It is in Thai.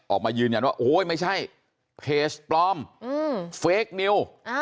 ออกมายืนยันว่าโอ้ยไม่ใช่เพจปลอมเฟคนิว